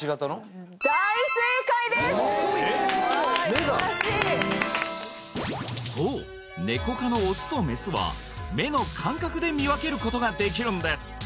目がそうネコ科のオスとメスは目の間隔で見分けることができるんです